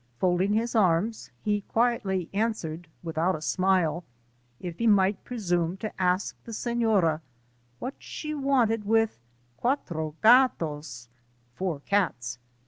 Folding his arms, he quietly answered without a smile, if he might presume to ask the Seflora what she wanted with cuatro gatos — (four cats